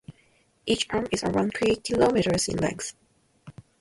Each arm is around three kilometres in length.